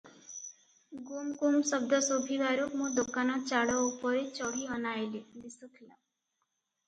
ଗୁମ୍ଗୁମ୍ ଶଦ୍ଦ ଶୁଭିବାରୁ ମୁଁ ଦୋକାନ ଚାଳ ଉପରେ ଚଢ଼ି ଅନାଇଲି, ଦିଶୁଥିଲା ।